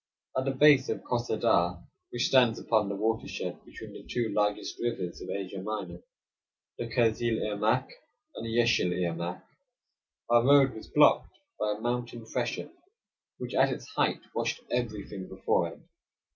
At the base of Kosse Dagh, which stands upon the watershed between the two largest rivers of Asia Minor, the Kizil Irmak and Yeshil Irmak, our road was blocked by a mountain freshet, which at its height washed everything before it.